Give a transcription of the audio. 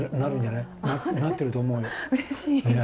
なってると思うよ。